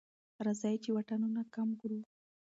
راځئ چې واټنونه کم کړو.